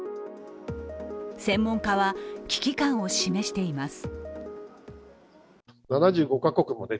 専門家は、危機感を示しています。